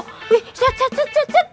wih sat sat sat sat sat